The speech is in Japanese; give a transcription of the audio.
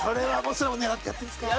それも狙ってやってるんですか？